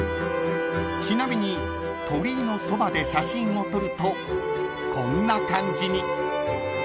［ちなみに鳥居のそばで写真を撮るとこんな感じに］